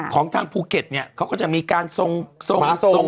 ของทางภูเก็ตเนี่ยเขาก็จะมีการทรง